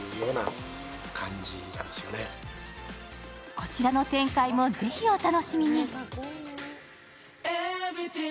こちらの展開もぜひお楽しみに。